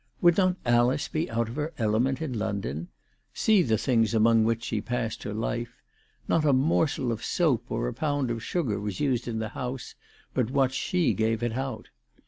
Would not Alice be out of her element in London ? See the things among which she passed her life ! Not a morsel of soap or a pound of sugar was used in the house, but what she gave it out.